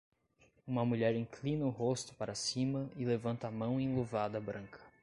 Uma mulher inclina o rosto para cima e levanta a mão enluvada branca